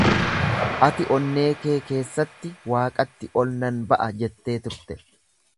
Ati onnee kee keessatti waaqatti ol nan ba’a jettee turte.